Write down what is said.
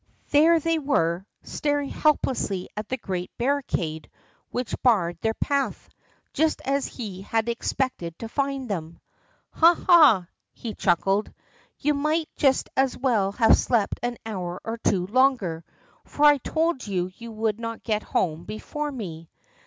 There they were, staring helplessly at the great barricade which barred their path, just as he had expected to find them. "Ha, ha!" he chuckled, "you might just as well have slept an hour or two longer, for I told you you would not get home before me."